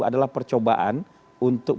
adalah percobaan untuk